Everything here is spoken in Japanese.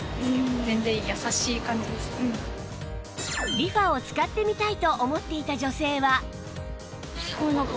リファを使ってみたいと思っていた女性は